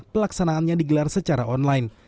pelaksanaannya digelar secara online